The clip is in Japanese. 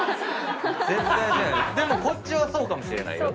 でもこっちはそうかもしれないよ。